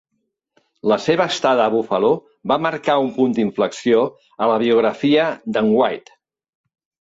La seva estada a Buffalo va marcar un punt d"inflexió a la biografia de"n White.